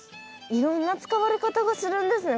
いろんな使われ方がするんですね